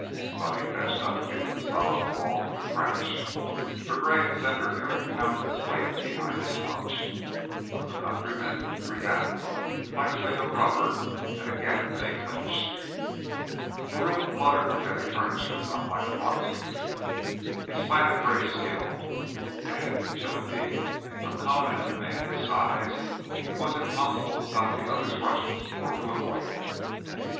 Buddy fetched up against the solid wall with a crash, for Gray had centered every pound of his weight behind his punch, but the countryman rebounded like a thing of rubber and again they clinched. A room cluttered with heavy furniture is not like a boxing ring. In spite of Gray's skill and an agility uncommon in a man of his size, it was impossible to stop the other's rushes or to avoid them.